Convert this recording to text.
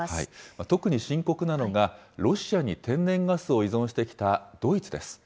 特に深刻なのが、ロシアに天然ガスを依存してきたドイツです。